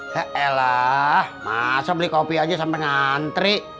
he'elah masa beli kopi aja sampe ngantri